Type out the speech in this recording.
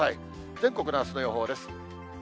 全国のあすの予報です。